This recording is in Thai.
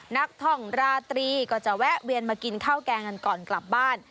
นักท่องราตรีก็จะแวะเวียนมากินข้าวแกงกันก่อนกลับบ้าน